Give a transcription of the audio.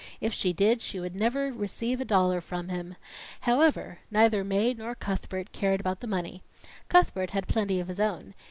If she did, she would never receive a dollar from him. However, neither Mae nor Cuthbert cared about the money. Cuthbert had plenty of his own.